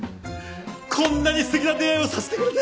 こんなに素敵な出会いをさせてくれて。